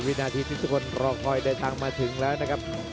วินาทีที่ทุกคนรอคอยเดินทางมาถึงแล้วนะครับ